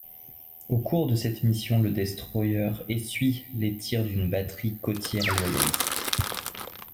Au cours de cette mission, le destroyer essuie les tirs d'une batterie côtière loyaliste.